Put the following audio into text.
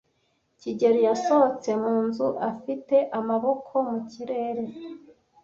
kigeli yasohotse mu nzu afite amaboko mu kirere.